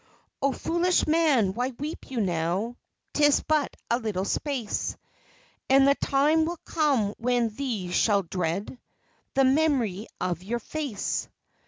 Oh, foolish man, why weep you now? 'Tis but a little space, And the time will come when these shall dread The mem'ry of your face.